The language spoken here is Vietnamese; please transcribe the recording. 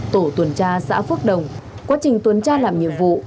tổ tuần tra xã phước đồng quá trình tuần tra làm nhiệm vụ